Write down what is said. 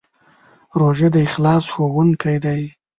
روژه د اخلاص ښوونکی دی.